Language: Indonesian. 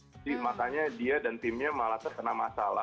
jadi makanya dia dan timnya malah terkenal